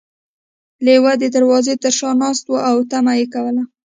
لیوه د دروازې تر شا ناست و او تمه یې کوله.